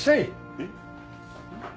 えっ？